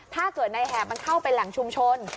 ถ้าเกิดในแหบมันเข้าไปแหล่งชุมชน